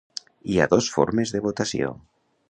Hi ha dos formes de votació.